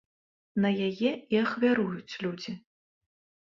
На яе і ахвяруюць людзі.